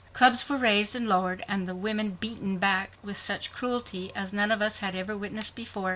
Clubs were raised and lowered and the women beaten back with such cruelty as none of us had ever witnessed before.